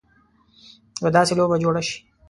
یوه داسې لوبه جوړه شي.